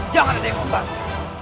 jangan ada yang membantu